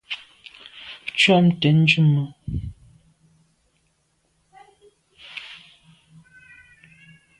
Tu am tshwèt ndume.